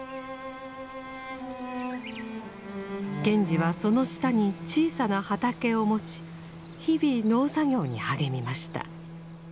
賢治はその下に小さな畑を持ち日々農作業に励みました。